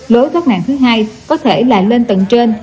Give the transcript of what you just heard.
lối thoát nạn thứ hai có thể là lên tầng trên